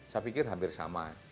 saya pikir hampir sama